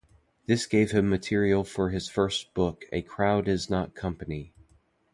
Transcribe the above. This gave him material for his first book "A Crowd Is Not Company".